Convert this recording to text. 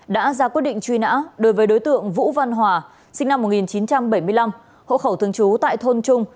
đã ra quyết định truy nã đối với đối tượng vũ văn hòa sinh năm một nghìn chín trăm bảy mươi năm hộ khẩu thường trú tại thôn trung